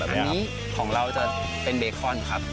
อันนี้ของเราจะเป็นเบคอนครับ